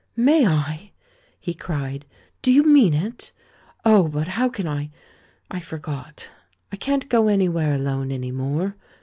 "May I?" he cried. "Do you mean it? Oh, but how can I — I forgot! I can't go anywhere alone any more.